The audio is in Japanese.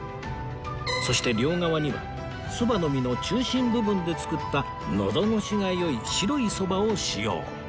そして両側にはそばの実の中心部分で作ったのど越しが良い白いそばを使用